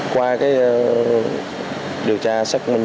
qua điều tra sách